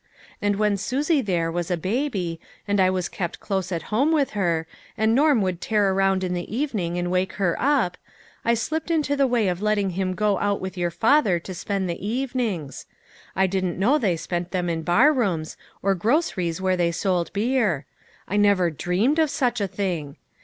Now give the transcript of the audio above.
And when Susie there, was a baby, and I was kept close at home with her, and Norm would tear around in the evening and wake her up, I slipped into the way of letting him go out with your father to spend the evenings; I didn't know they spent them in bar rooms, or groceries where they sold beer. I never dreamed of such a thing.